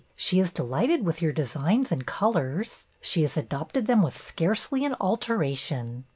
She is delighted with your designs and colors. She has adopted them with scarcely an altera tion.